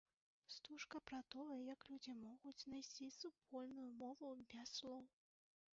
Стужка пра тое, як людзі могуць знайсці супольную мову без слоў.